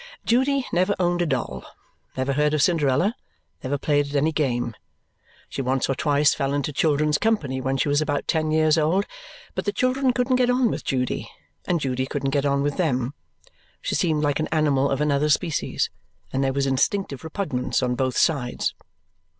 Judy never owned a doll, never heard of Cinderella, never played at any game. She once or twice fell into children's company when she was about ten years old, but the children couldn't get on with Judy, and Judy couldn't get on with them. She seemed like an animal of another species, and there was instinctive repugnance on both sides.